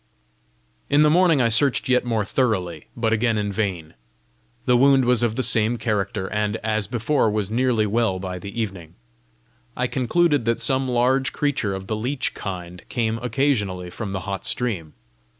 In the morning I searched yet more thoroughly, but again in vain. The wound was of the same character, and, as before, was nearly well by the evening. I concluded that some large creature of the leech kind came occasionally from the hot stream.